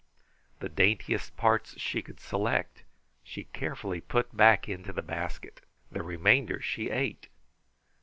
The daintiest parts she could select she carefully put back into the basket. The remainder she ate.